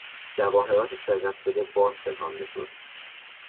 جواهرات سرقت شده باز ستانده شد.